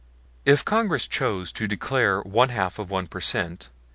If Congress chooses to declare one half of one per cent.